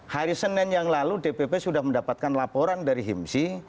hari senin yang lalu dpp sudah mendapatkan laporan dari himsi